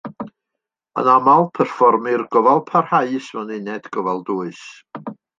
Yn aml, perfformir gofal parhaus mewn uned gofal dwys.